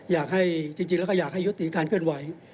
อยากให้ยุติการเคลื่อนไหว